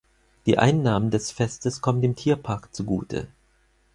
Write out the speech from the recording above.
Die Einnahmen des Festes kommen dem Tierpark zugute.